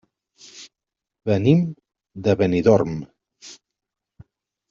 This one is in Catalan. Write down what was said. Venim de Benidorm.